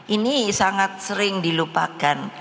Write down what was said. ini sangat sering dilupakan